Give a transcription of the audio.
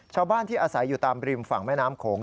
ชาวบ้านที่อาศัยอยู่ตามริมฝั่งแม่น้ำโขง